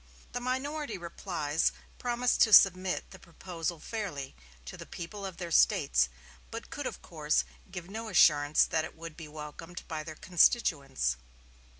The minority replies promised to submit the proposal fairly to the people of their States, but could of course give no assurance that it would be welcomed by their constituents.